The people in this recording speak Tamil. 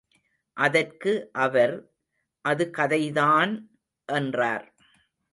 அதற்கு அவர், அது கதைதான்! என்றார்.